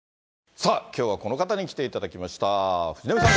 さあ、きょうはこの方に来ていただきました。